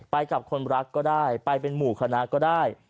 กับคนรักก็ได้ไปเป็นหมู่คณะก็ได้